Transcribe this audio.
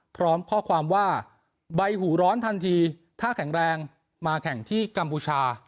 พร้อมข้อความว่าใบหูร้อนทันทีถ้าแข็งแรงมาแข่งที่กัมพูชา